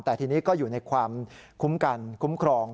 แต่ทีนี้ก็อยู่ในความคุ้มกันคุ้มครอง